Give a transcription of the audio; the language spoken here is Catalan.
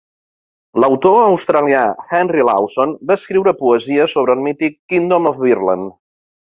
L'autor australià Henry Lawson va escriure poesia sobre el mític "Kingdom of Virland".